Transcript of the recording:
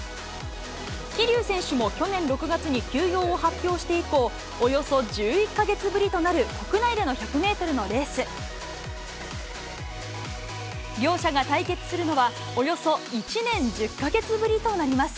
桐生選手も去年６月に休養を発表して以降、およそ１１か月ぶりとなる国内での１００メートルのレース。両者が対決するのは、およそ１年１０か月ぶりとなります。